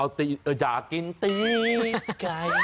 เอาตีนอยากกินตีนไก่